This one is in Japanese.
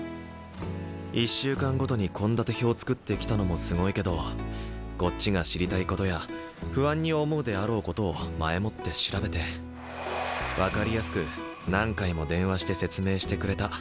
１週間ごとに献立表作ってきたのもすごいけどこっちが知りたいことや不安に思うであろうことを前もって調べて分かりやすく何回も電話して説明してくれた。